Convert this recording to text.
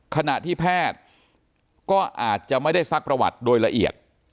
ขณะที่แพทย์ก็อาจจะไม่ได้ซักประวัติโดยละเอียด